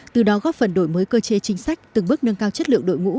từ đó góp phần đổi mới cơ chế chính sách từng bước nâng cao chất lượng đội ngũ